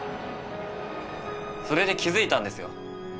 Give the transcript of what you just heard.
それで気付いたんですよ。